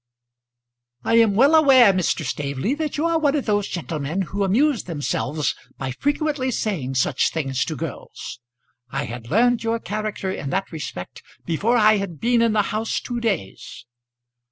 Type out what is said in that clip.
"I am well aware, Mr. Staveley, that you are one of those gentlemen who amuse themselves by frequently saying such things to girls. I had learned your character in that respect before I had been in the house two days."